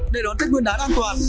để đón tết nguyên đán an toàn